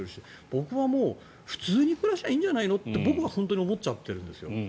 僕は普通に暮らせばいいんじゃないのって僕は本当に思っちゃっているんですよ。